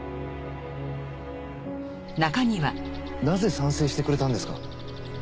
なぜ賛成してくれたんですか？